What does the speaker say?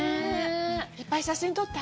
いっぱい写真撮った？